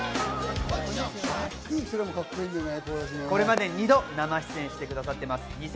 これまで２度生出演してくださってます。